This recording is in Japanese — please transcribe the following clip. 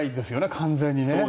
完全にね。